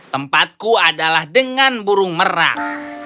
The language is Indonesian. tempatku adalah dengan burung merah